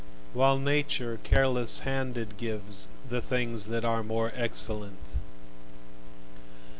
While Nature careless handed gives The things that are more excellent.